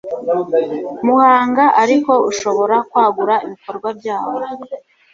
Muhanga ariko ushobora kwagura ibikorwa byawo